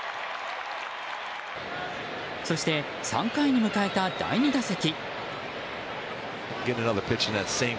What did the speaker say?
そして、３回に迎えた第２打席。